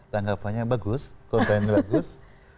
tanggapannya bagus konten bagus